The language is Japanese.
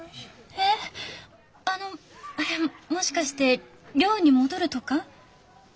えっあのもしかして寮に戻るとか？